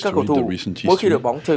các cầu thủ mỗi khi đội bóng chơi